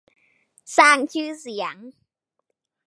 สร้างชื่อเสียง